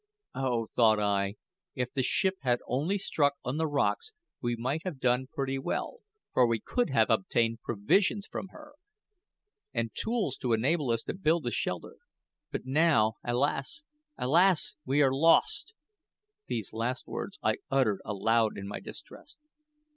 "Oh," thought I, "if the ship had only struck on the rocks we might have done pretty well, for we could have obtained provisions from her, and tools to enable us to build a shelter; but now alas! alas! we are lost!" These last words I uttered aloud in my distress.